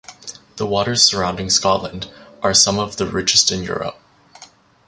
The waters surrounding Scotland are some of the richest in Europe.